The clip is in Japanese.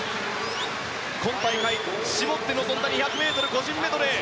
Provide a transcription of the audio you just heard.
今大会絞って臨んだ２００個人メドレー。